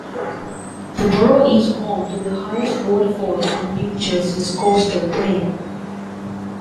The borough is home to the highest waterfall on New Jersey's coastal plain.